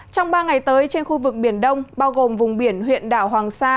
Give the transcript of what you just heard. trong ba ngày tới trên khu vực biển đông bao gồm vùng biển huyện đảo hoàng sa